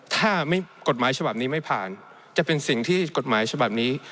ถ้ากฎหมายฉบับนี้ไม่ผ่านจะเป็นสิ่งที่กฎหมายฉบับนี้